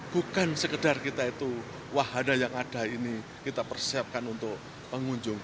bukan sekedar kita itu wahana yang ada ini kita persiapkan untuk pengunjung